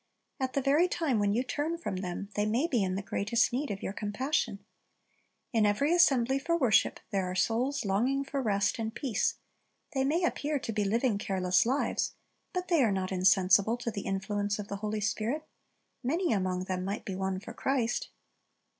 At the very time when you turn from them, they may be in the greatest need of your compassion. In every assembly for worship, there are souls longing for rest and peace. They may appear to be living careless lives, but they are not insensible to the influence of the Holy Spirit. Many among them might be won for Christ.